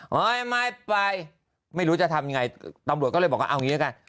เฮ้ยไม่ไปไม่รู้จะทำยังไงตำรวจก็เลยบอกว่าเอางี้ละกัน